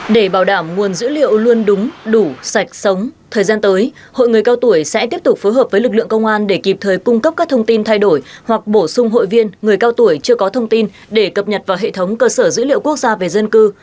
để bảo đảm nguồn dữ liệu luôn đúng đủ sạch sống thời gian tới hội người cao tuổi sẽ tiếp tục phối hợp với lực lượng công an để kịp thời cung cấp các thông tin thay đổi hoặc bổ sung hội viên người cao tuổi chưa có thông tin để cập nhật vào hệ thống cơ sở dữ liệu quốc gia về dân cư